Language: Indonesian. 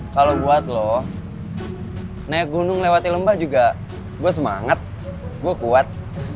kalau buat loh naik gunung lewati lembah juga gue semangat gue kuat